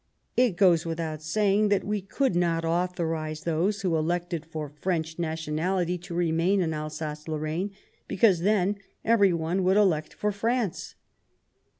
It goes without saying that we could not authorize those who elected for French nationality to remain in Alsace Lorraine, because then every one would elect for France."